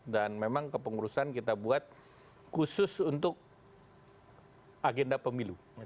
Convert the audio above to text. dan memang kepengurusan kita buat khusus untuk agenda pemilu